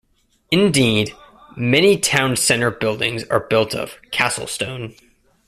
Indeed, many town centre buildings are built of 'castle stone'.